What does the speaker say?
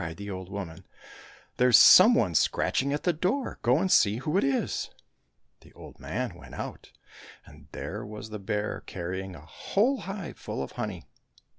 cried the old woman, " there's some one scratching at the door, go and see who it is !" The old man went out, and there was the bear carrying a whole hive full of honey.